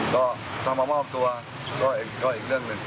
ก็ถ้ามามอบตัวก็อีกเรื่องหนึ่ง